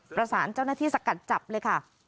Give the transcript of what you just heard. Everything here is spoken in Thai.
ประสานเจ้าหน้าที่สกัดจับเลยค่ะ